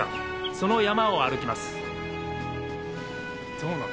その山を歩きます。